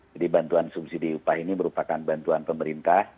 jadi bantuan subsidi upah ini merupakan bantuan pemerintah